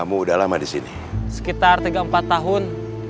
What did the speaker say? mari kita bertempur